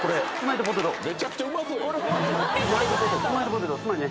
「めちゃくちゃうまそうやん」